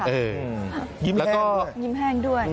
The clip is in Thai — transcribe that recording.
ยิ้มแล้วก็ยิ้มแห้งด้วย